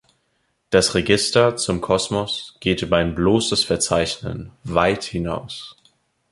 Das Register zum Kosmos geht über ein bloßes Verzeichnen weit hinaus.